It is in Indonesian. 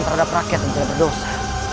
terhadap rakyat yang tidak berdosa